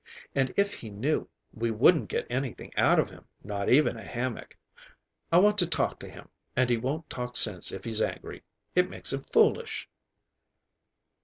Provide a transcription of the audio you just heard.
And if he knew, we wouldn't get anything out of him, not even a hammock. I want to talk to him, and he won't talk sense if he's angry. It makes him foolish."